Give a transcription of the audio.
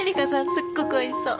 すっごくおいしそう。